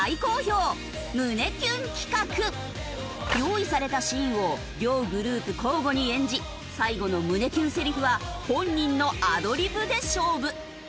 用意されたシーンを両グループ交互に演じ最後の胸キュンセリフは本人のアドリブで勝負。